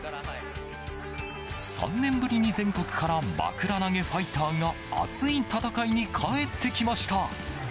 ３年ぶりに全国からまくら投げファイターが熱い戦いに帰ってきました。